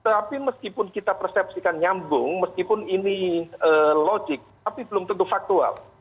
tapi meskipun kita persepsikan nyambung meskipun ini logik tapi belum tentu faktual